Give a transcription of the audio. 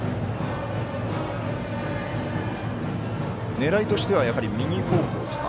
狙いとしては右方向ですか。